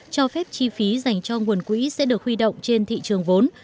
cho phép chi phí dành cho nguồn quỹ sẽ được huy động trên thị trường vốn